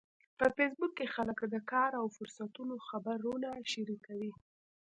په فېسبوک کې خلک د کار او فرصتونو خبرونه شریکوي